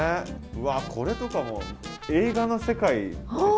わあこれとかも映画の世界ですね。